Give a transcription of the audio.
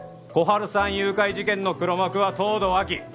春さん誘拐事件の黒幕は東堂亜希！